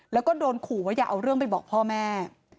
แล้วก็โดนขู่ว่าอย่าเอาเรื่องไปบอกพ่อแม่